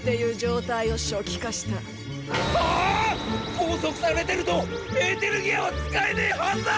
拘束されてるとエーテルギアは使えねえはずだ！